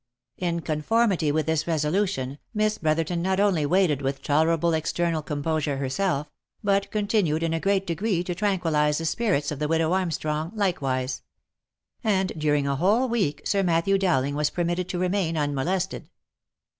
In conformity with this resolution, Miss Brotherton not only waited with tolerable external composure herself, but continued in a great degree to tranquillize the spirits of the widow Armstrong, likewise ; and during a whole week, Sir Matthew Dowling was permitted to remain unmolested.